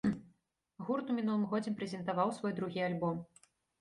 Гурт у мінулым годзе прэзентаваў свой другі альбом.